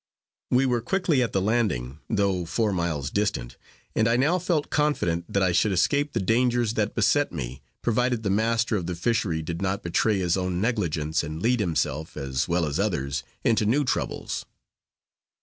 We were quickly at the landing, though four miles distant; and I now felt confident that I should escape the dangers that beset me, provided the master of the fishery did not betray his own negligence and lead himself, as well as others, into new troubles.